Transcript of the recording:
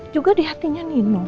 juga di hatinya nino